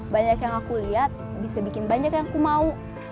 banyak yang aku lihat bisa bikin banyak yang ku mau